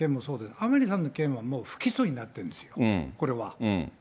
甘利さんの件はもう不起訴になっているんですよ、これは。